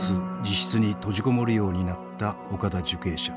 自室に閉じこもるようになった岡田受刑者。